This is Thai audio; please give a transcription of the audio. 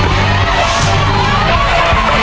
ภายในเวลา๓นาที